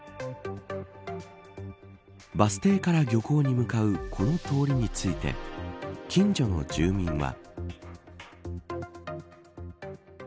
バス停から漁港に向かうこの通りについて近所の住民は。